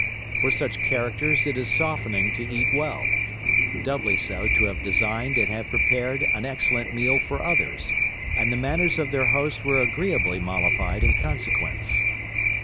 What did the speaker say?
For such characters it is softening to eat well; doubly so to have designed and had prepared an excellent meal for others; and the manners of their host were agreeably mollified in consequence.